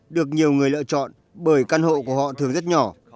được nhiều người lựa chọn bởi căn hộ của họ thường rất nhỏ